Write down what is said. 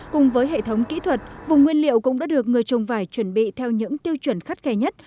cùng với hệ thống kỹ thuật vùng nguyên liệu cũng đã được người trồng vải chuẩn bị theo những tiêu chuẩn khắt khe nhất